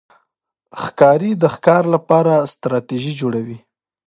ښکاري د ښکار لپاره ستراتېژي جوړوي.